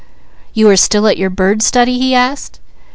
"You are still at your bird study?" he asked.